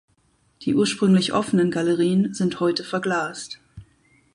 Die ursprünglich offenen Galerien sind heute verglast.